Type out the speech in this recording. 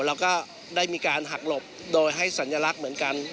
แล้วก็ได้มีการหักหลบโดยให้สัญลักษณ์เหมือนกัน